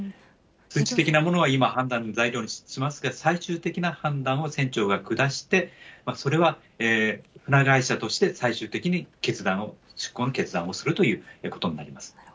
数値的なものは判断の材料にしますが、最終的な判断を船長が下して、それは船会社として、最終的に出港の決断をするということになります。